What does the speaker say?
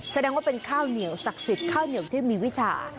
แสดงว่าเป็นข้าวเหนียวศักดิ์สิทธิ์ข้าวเหนียวที่มีวิชา